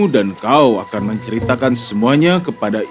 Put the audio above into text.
dan kau akan menceritakan semuanya kepada istrimu